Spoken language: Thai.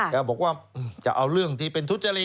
บอกว่าจะเอาเรื่องที่เป็นทุจริต